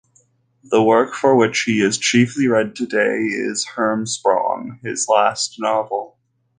The work for which he is chiefly read today is "Hermsprong", his last novel.